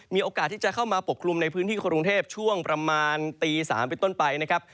มีโอกาสที่จะเข้ามาปกคลุมในพื้นที่กรุงเทพช่วงประมาณตี๓เป็นต้นไปนะครับ